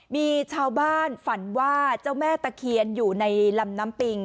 มีชาวบ้านฝันว่าเจ้าแม่ตะเคียนอยู่ในลำน้ำปิง